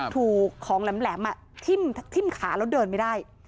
ถูกของแหลมทิ้มขาแล้วเดินไม่ได้